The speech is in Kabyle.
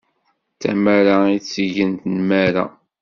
D tamara i iteggen nnmara.